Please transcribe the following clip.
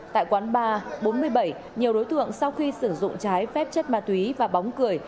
tại quán ba bốn mươi bảy nhiều đối tượng sau khi sử dụng trái phép chất ma túy và bóng cười